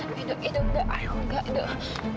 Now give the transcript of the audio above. aduh aduh aduh